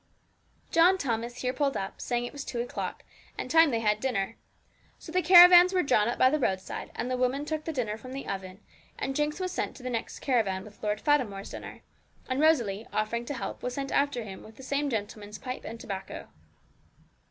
John Thomas here pulled up, saying it was two o'clock, and time they had dinner. So the caravans were drawn up by the roadside, and the woman took the dinner from the oven, and Jinx was sent to the next caravan with Lord Fatimore's dinner, and Rosalie, offering to help, was sent after him with the same gentleman's pipe and tobacco.